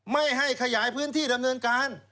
ไม่ให้ขยายพื้นที่ดำเนินการ